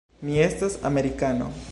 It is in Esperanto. Mi estas amerikano.